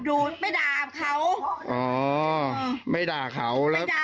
ดูไปด่าเขา